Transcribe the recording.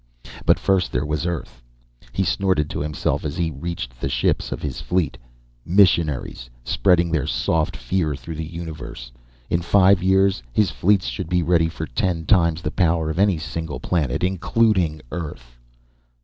But first, there was Earth. He snorted to himself as he reached the ships of his fleet. Missionaries! Spreading their soft fear through the universe. In five years, his fleet should be ready for ten times the power of any single planet including Earth.